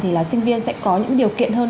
thì là sinh viên sẽ có những điều kiện hơn